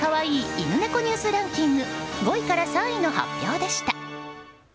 犬猫ニュースランキング５位から３位の発表でした。